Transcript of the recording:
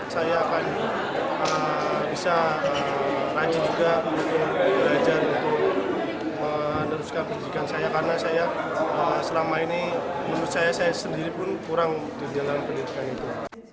saya akan bisa rajin juga belajar untuk meneruskan pendidikan saya karena saya selama ini menurut saya saya sendiri pun kurang di dalam pendidikan itu